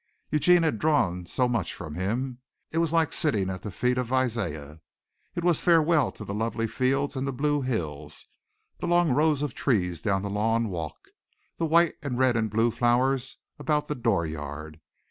Eugene had drawn so much from him. It was like sitting at the feet of Isaiah. It was farewell to the lovely fields and the blue hills, the long rows of trees down the lawn walk, the white and red and blue flowers about the dooryard.